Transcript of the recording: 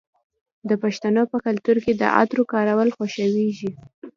د پښتنو په کلتور کې د عطرو کارول خوښیږي.